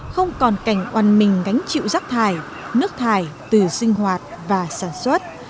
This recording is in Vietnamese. không còn cảnh oan mình gánh chịu rác thải nước thải từ sinh hoạt và sản xuất